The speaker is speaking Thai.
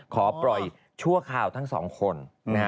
ขอปล่อยชั่วคราวทั้งสองคน